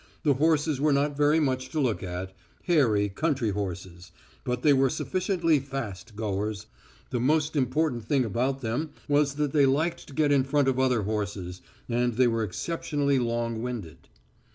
The horses were not very much to look at, hairy country horses, but they were sufficiently fast goers; the most important thing about them was that they liked to get in front of other horses, and they were exceptionally long winded.